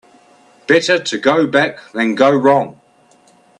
Better to go back than go wrong.